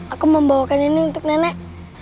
aku membawakan ini untuk nenek